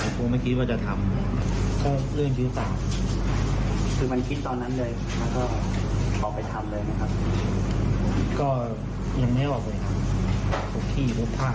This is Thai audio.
ก็ยังไม่ออกไปครับของพี่พวกผ้า